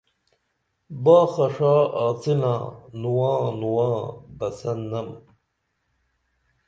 باخہ ݜا آڅنا نواں نواں بسن نم